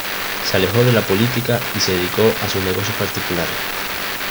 Se alejó de la política y se dedicó a sus negocios particulares.